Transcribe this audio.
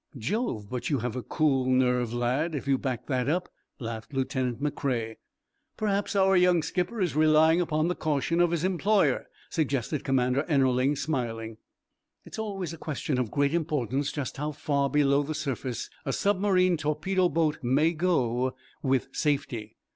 "Jove, but you have a cool nerve, lad, if you back that up," laughed lieutenant McCrea. "Perhaps our young skipper is relying upon the caution of his employer," suggested Commander Ennerling, smiling. It is always a question of great importance just how far below the surface a submarine torpedo boat may go with safety.